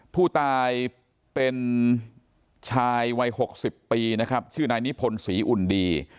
ผู้ตายเป็นชายวัย๖๐ปีนะครับชื่อนายนิพนธ์ศรีอุ่นดี